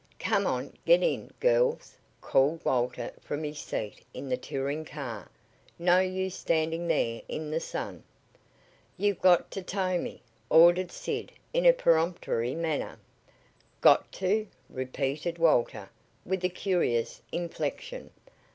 "Come on, get in, girls," called Walter from his seat in the touring car. "No use standing there in the sun." "You've got to tow me," ordered Sid in a peremptory manner. "Got to?" repeated Walter, with a curious inflection.